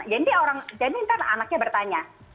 jadi nanti anaknya bertanya